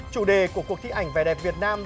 chủ đề của cuộc thi ảnh vẻ đẹp việt nam